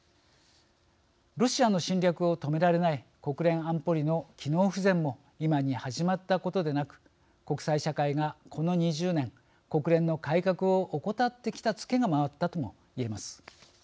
ロシアの侵略を止められない国連安保理の機能不全も今に始まったことでなく国際社会がこの２０年国連の改革を怠ってきた付けが回ったとも言えます。